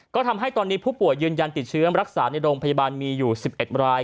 ก็ทำให้ตอนนี้ผู้ป่วยยืนยันติดเชื้อรักษาในโรงพยาบาลมีอยู่๑๑ราย